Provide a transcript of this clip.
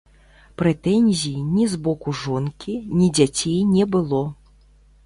Прэтэнзій ні з боку жонкі, ні дзяцей не было.